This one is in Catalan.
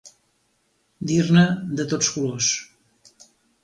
Dir-ne de tots colors.